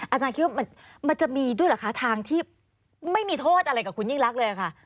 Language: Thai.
อาจารย์คิดว่ามันจะมีด้วยเหรอคะทางที่ไม่มีโทษอะไรกับคุณยิ่งรักเลยค่ะ